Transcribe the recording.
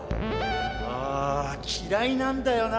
ああ嫌いなんだよな